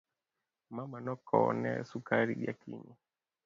Mama nokowne sukari gi Akinyi.